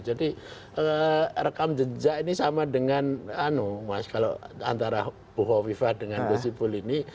jadi rekam jejak ini sama dengan mas kalau antara buho viva dengan gus ipul ini